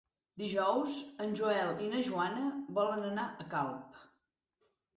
Dijous en Joel i na Joana volen anar a Calp.